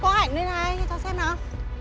đây có ảnh đây này cho xem nào